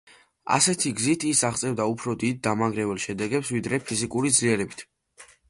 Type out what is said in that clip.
ასეთი გზით ის აღწევდა უფრო დიდ დამანგრეველ შედეგებს, ვიდრე ფიზიკური ძლიერებით.